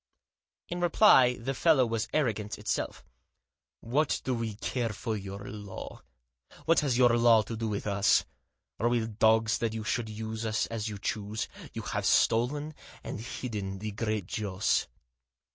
In reply the fellow was arrogance itself. Digitized by THE TRIO RETURN. 221 " What do we care for your law ? What has your law to do with us ? Are we dogs that you should use us as you choose ? You have stolen, and have hidden, the Great Joss.